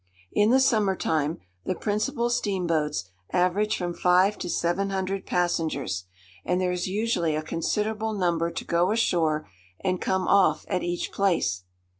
In the summer time, the principal steam boats average from five to seven hundred passengers, and there is usually a considerable number to go ashore and come off at each place.